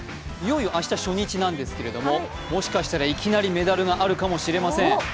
明日初日なんですけどもしかしたらいきなりメダルがあるかもしれません。